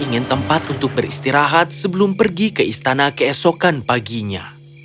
ingin tempat untuk beristirahat sebelum pergi ke istana keesokan paginya